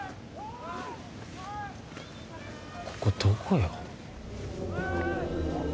ここどこよ？おい！